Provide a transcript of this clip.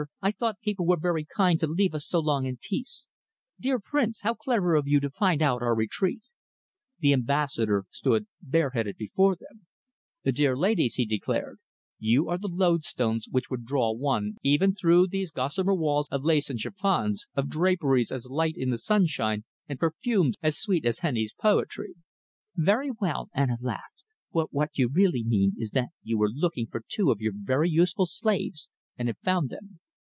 I thought people were very kind to leave us so long in peace. Dear Prince, how clever of you to find out our retreat!" The Ambassador stood bareheaded before them. "Dear ladies," he declared, "you are the lode stones which would draw one even through these gossamer walls of lace and chiffons, of draperies as light as the sunshine and perfumes as sweet as Heine's poetry." "Very pretty," Anna laughed, "but what you really mean is that you were looking for two of your very useful slaves and have found them."